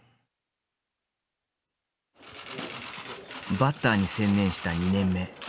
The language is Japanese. バッターに専念した２年目。